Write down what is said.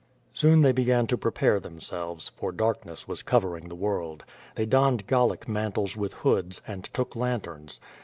Soon they began to prepare themselves, for darkness was covering the world. They donned Gallic mantles with hoods, and took lanterns.